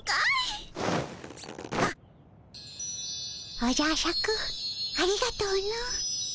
おじゃシャクありがとの。